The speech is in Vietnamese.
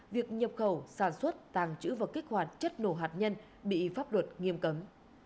việc nhập khẩu sản xuất tàng trữ và kích hoạt chất nổ hạt nhân bị pháp luật nghiêm cấm